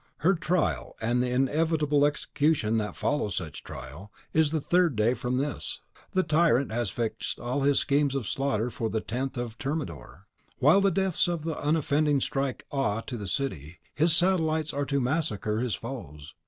Her trial, and the inevitable execution that follows such trial, is the third day from this. The tyrant has fixed all his schemes of slaughter for the 10th of Thermidor. While the deaths of the unoffending strike awe to the city, his satellites are to massacre his foes.